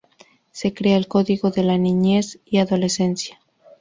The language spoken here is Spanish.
Se crea el Código de la Niñez y Adolescencia.